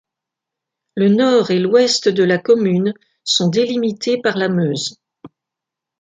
Le nord et l'ouest de la commune sont délimités par la Meuse.